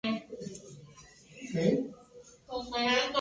Quería escribir uno con final feliz, por muy irreal que pueda ser.